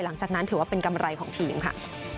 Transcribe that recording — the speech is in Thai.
หลังจากนั้นถือว่าเป็นกำไรของทีมค่ะ